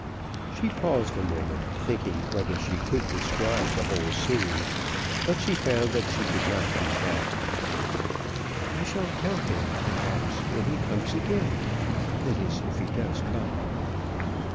She paused a moment thinking whether she could describe the whole scene; but she found that she could not do that. "I shall tell him, perhaps, when he comes again; that is, if he does come."